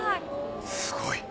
すごい。